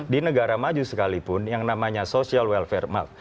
di negara maju sekalipun yang namanya social welfare